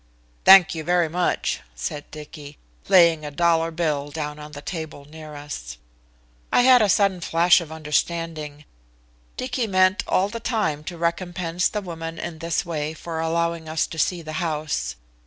"Thank you very much," said Dicky, laying a dollar bill down on the table near us. I had a sudden flash of understanding. Dicky meant all the time to recompense the woman in this way for allowing us to see the house.